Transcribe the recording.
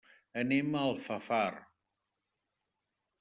Anem a Alfafar.